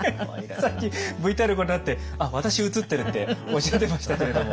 さっきＶＴＲご覧になって「あっ私映ってる」っておっしゃってましたけれども。